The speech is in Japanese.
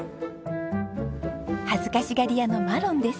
恥ずかしがり屋のマロンです。